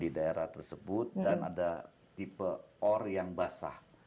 di daerah tersebut dan ada tipe ore yang basah